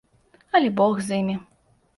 Але бог з імі.